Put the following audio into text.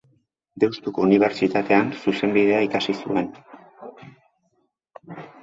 Deustuko Unibertsitatean zuzenbidea ikasi zuen.